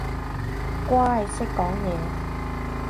乖，識講嘢